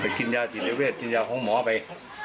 กินยาจิตเวทกินยาของหมอไป